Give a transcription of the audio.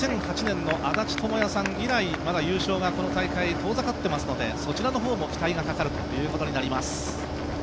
２００８年の足立知弥さん以来まだ優勝がこの大会遠ざかっていますのでそちらの方も期待が高まるという形になります。